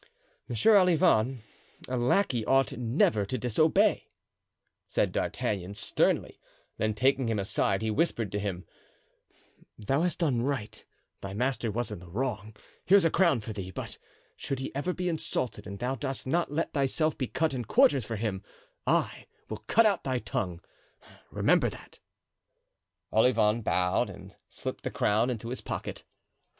"Monsieur Olivain, a lackey ought never to disobey," said D'Artagnan, sternly; then taking him aside, he whispered to him: "Thou hast done right; thy master was in the wrong; here's a crown for thee, but should he ever be insulted and thou dost not let thyself be cut in quarters for him, I will cut out thy tongue. Remember that." Olivain bowed and slipped the crown into his pocket.